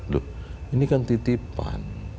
loh ini kan titipan